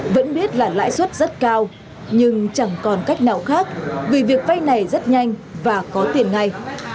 vẫn biết là lãi suất rất cao nhưng chẳng còn cách nào khác vì việc vay này rất nhanh và có tiền ngay